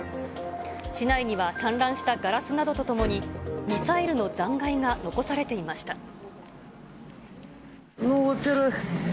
市内には散乱したガラスなどとともに、ミサイルの残骸が残されていました。